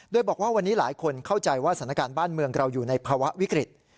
โดยบอกว่าวันนี้หลายคนเข้าใจว่าสถานการณ์บ้านเมืองเราอยู่ในภาวะวิกฤต